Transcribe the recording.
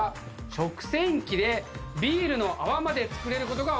「食洗機でビールの泡まで作れる事がわかった！」